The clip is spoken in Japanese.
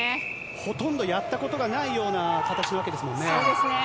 ほとんどやったことのないような形ですからね。